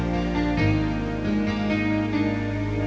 dia tak mau ke nile